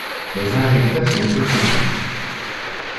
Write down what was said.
Les injecteurs sont peu courants.